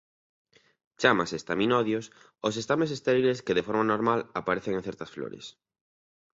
Chámase "estaminodios" aos estames estériles que de forma normal aparecen en certas flores.